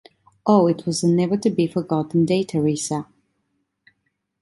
Oh, it was a never-to-be-forgotten day, Teresa.